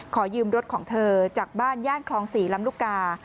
ขอยืมรถของเธอจากบ้านย่านคลอง๔ลำลูกกา